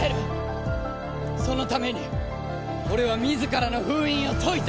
そのために俺は自らの封印を解いた！